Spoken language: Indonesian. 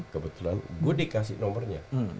kebetulan gue dikasih nomernya